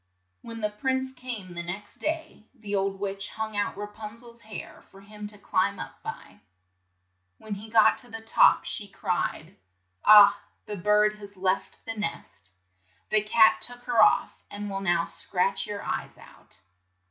When the prince came the next day, the old witch hung out Ra pun zel's hair for him to climb up by. When he got to the top, she cried, "Ah, the bird has left the nest ! The cat took her off, and will now scratch your eyes out